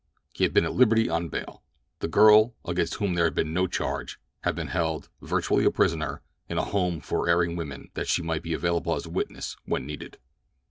He had been at liberty on bail. The girl, against whom there had been no charge, had been held, virtually a prisoner, in a home for erring women that she might be available as a witness when needed.